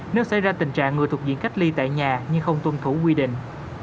nếu xảy ra tình trạng người thuộc diện cách ly tại nhà nhưng không tuân thủ quy định